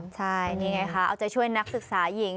ใช่นี่ไงคะเอาใจช่วยนักศึกษาหญิง